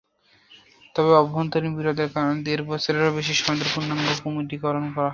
তবে অভ্যন্তরীণ বিরোধের কারণে দেড় বছরের বেশি সময়ে পূর্ণাঙ্গ কমিটি করা যায়নি।